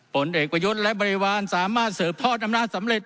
ผลเอกประยุทธ์และบริวารสามารถสืบทอดอำนาจสำเร็จ